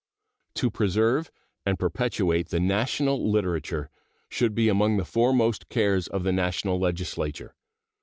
To preserve and perpetuate the national literature should be among the foremost cares of the National Legislature.